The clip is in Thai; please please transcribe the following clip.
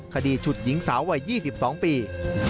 ฉุดหญิงสาววัย๒๒ปี